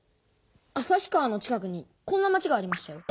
旭川の近くにこんな町がありましたよ。